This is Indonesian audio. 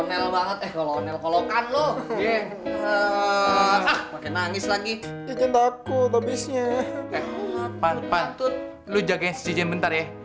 eh pan pan lu jagain si cijen bentar ya